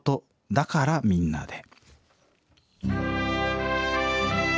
「だからみんなで」。